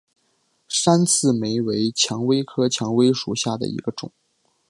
山刺玫为蔷薇科蔷薇属下的一个种。